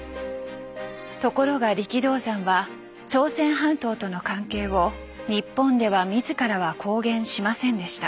ところが力道山は朝鮮半島との関係を日本では自らは公言しませんでした。